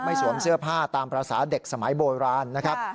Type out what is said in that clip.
สวมเสื้อผ้าตามภาษาเด็กสมัยโบราณนะครับ